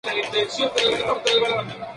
Se conserva en la Pinacoteca de Brera de Milán.